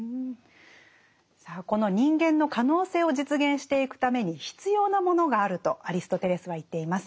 さあこの人間の可能性を実現していくために必要なものがあるとアリストテレスは言っています。